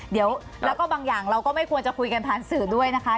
เดี๋ยวแล้วก็บางอย่างเราก็ไม่ควรจะคุยกันผ่านสื่อด้วยนะคะ